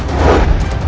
aku mau makan